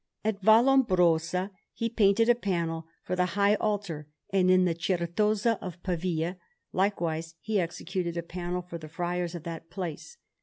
At Vallombrosa he painted a panel for the high altar; and in the Certosa of Pavia, likewise, he executed a panel for the friars of that place.